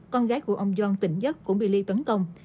con gái của ông yong tỉnh giấc cũng bị lee tấn công